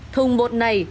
thùng bột này